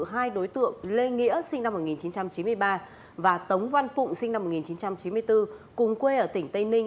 hai đối tượng lê nghĩa sinh năm một nghìn chín trăm chín mươi ba và tống văn phụng sinh năm một nghìn chín trăm chín mươi bốn cùng quê ở tỉnh tây ninh